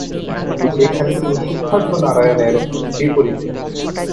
যেখানে তিনি সিদ্ধার্থ নারায়ণ এর বিপরীতে।